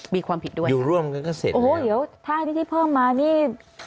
มีความผิดด้วยอยู่ร่วมกันก็เสร็จเลยโอ้โหเดี๋ยวถ้านี่ที่เพิ่มมานี่